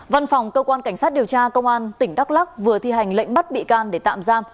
văn phòng cơ quan cảnh sát điều tra công an tỉnh đắk lắc vừa thi hành lệnh bắt bị can để tạm giam